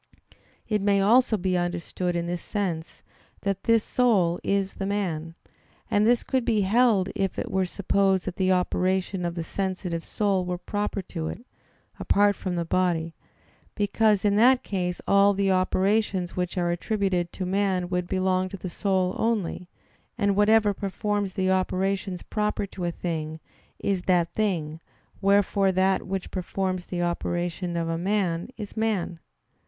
It may also be understood in this sense, that this soul is this man; and this could be held if it were supposed that the operation of the sensitive soul were proper to it, apart from the body; because in that case all the operations which are attributed to man would belong to the soul only; and whatever performs the operations proper to a thing, is that thing; wherefore that which performs the operations of a man is man.